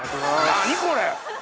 何これ！